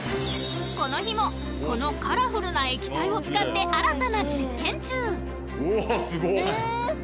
この日もこのカラフルな液体を使って新たな実験中・うわあすごっ！